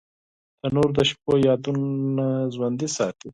تنور د شپو یادونه ژوندۍ ساتي